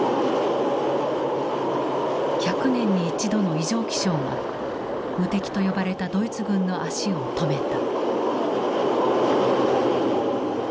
１００年に一度の異常気象が無敵と呼ばれたドイツ軍の足を止めた。